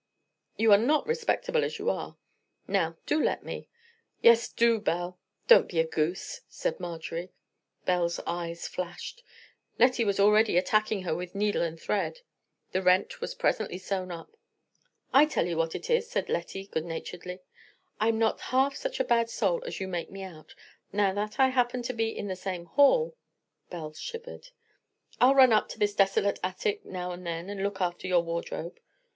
You are not respectable as you are. Now, do let me." "Yes, do, Belle; don't be a goose," said Marjorie. Belle's eyes flashed. Lettie was already attacking her with needle and thread. The rent was presently sewn up. "I tell you what it is," said Lettie good humoredly, "I'm not half such a bad soul as you make me out. Now that I happen to be in the same hall——" Belle shivered. "I'll run up to this desolate attic, now and then, and look after your wardrobe."